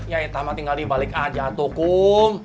ya itama tinggal dibalik aja tukum